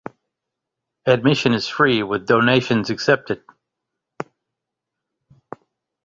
Admission is free, with donations accepted.